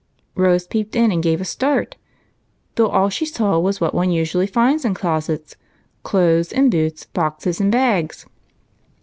Rose peeped in and gave a start, though all she saw was what one usually finds in closets, — clothes and boots, boxes and bags.